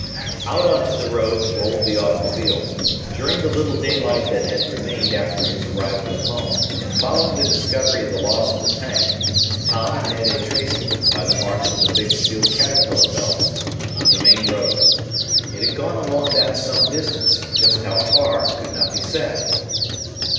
Out onto the road rolled the automobile. During the little daylight that had remained after his arrival at home and following the discovery of the loss of the tank Tom and Ned had traced it, by the marks of the big steel caterpillar belts, to the main road. It had gone along that some distance, just how far could not be said.